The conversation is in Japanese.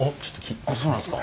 あっそうなんですか。